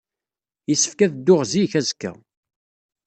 Yessefk ad dduɣ zik, azekka.